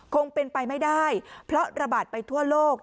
คงเป็นไปไม่ได้เพราะระบาดไปทั่วโลก